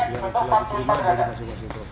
yang telah dikirimkan dari masing masing provinsi